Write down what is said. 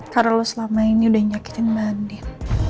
karena lo selama ini udah nyakitin mbak andin